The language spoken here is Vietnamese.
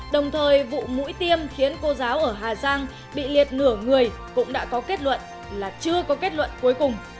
đồng thời vụ mũi tiêm khiến cô giáo ở hà giang bị liệt nửa người cũng đã có kết luận là chưa có kết luận cuối cùng